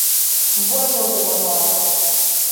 Вожылдымо-влак!..